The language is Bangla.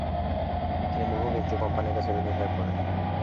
তিনি বহু ব্যক্তি ও কোম্পানির কাছে ঋণী হয়ে পড়েন।